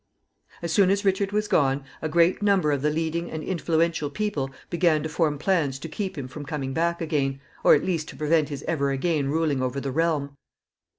As soon as Richard was gone, a great number of the leading and influential people began to form plans to keep him from coming back again, or at least to prevent his ever again ruling over the realm.